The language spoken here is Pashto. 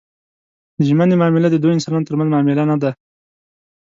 د ژمنې معامله د دوو انسانانو ترمنځ معامله نه ده.